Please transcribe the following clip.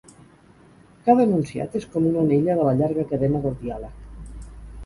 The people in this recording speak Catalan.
Cada enunciat és com una anella de la llarga cadena del diàleg.